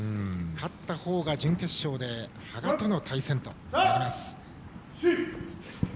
勝ったほうが準決勝で羽賀との対戦となります。